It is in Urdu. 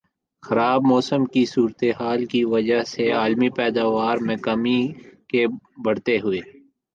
خراب موسم کی صورتحال کی وجہ سے عالمی پیداوار میں کمی کے بڑھتے ہوئے